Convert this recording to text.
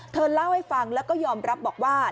เธอเล่าให้ฟังแล้วก็ยอมรับบอกว่า